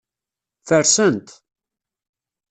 Fersen-t.